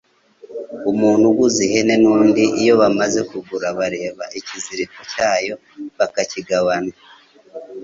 Umuntu uguze ihene n’undi, iyo bamaze kugura bareba ikiziriko cyayo bakakigabana